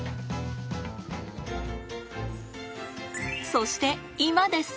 そして今です。